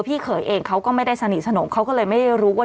เขยเองเขาก็ไม่ได้สนิทสนมเขาก็เลยไม่ได้รู้ว่า